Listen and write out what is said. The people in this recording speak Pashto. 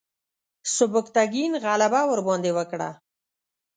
سبکتګین غلبه ورباندې وکړه.